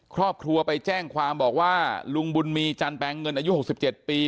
ครอบครัวไปแจ้งความบอกว่าลุงบุญมีจันแปลงเงินอายุ๖๗ปี